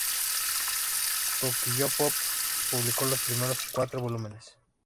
Tokyopop publicó los primeros cuatro volúmenes.